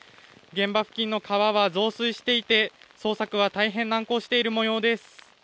現場付近の川は増水していて捜索は大変難航しているもようです。